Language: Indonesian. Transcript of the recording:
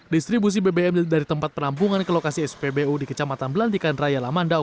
distribusi bbm dari tempat penampungan ke lokasi spbu di kecamatan belantikan raya lamandau